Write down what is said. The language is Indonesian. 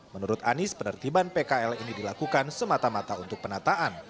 menurut anies penertiban pkl ini dilakukan semata mata untuk penataan